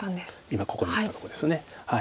今ここに打ったところです。